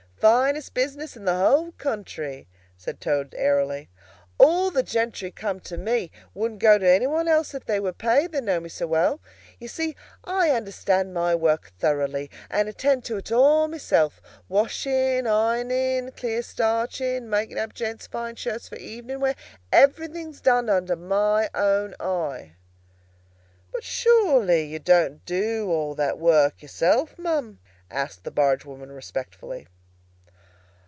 "Finest business in the whole country," said Toad airily. "All the gentry come to me—wouldn't go to any one else if they were paid, they know me so well. You see, I understand my work thoroughly, and attend to it all myself. Washing, ironing, clear starching, making up gents' fine shirts for evening wear—everything's done under my own eye!" "But surely you don't do all that work yourself, ma'am?" asked the barge woman respectfully.